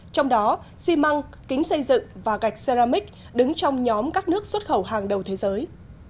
trong đó xi măng kính xây dựng và gạch xeramic đứng trong nhóm các nước xuất khẩu hàng đầu thế giới